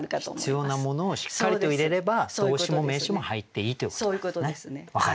必要なものをしっかりと入れれば動詞も名詞も入っていいということなんですね。